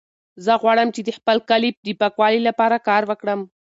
زه غواړم چې د خپل کلي د پاکوالي لپاره کار وکړم.